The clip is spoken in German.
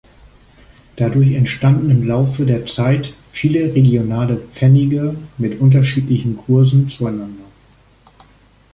Dadurch entstanden im Laufe der Zeit viele regionale Pfennige mit unterschiedlichen Kursen zueinander.